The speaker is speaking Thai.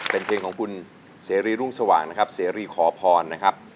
เป็นเพลงของคุณเสรีรุ่งสว่างนะครับเสรีขอพรนะครับ